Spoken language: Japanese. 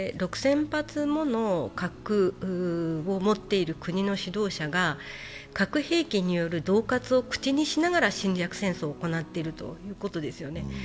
６０００発もの核を持っている国の指導者が核兵器によるどう喝を口にしながら侵略戦争を行っているということですよね。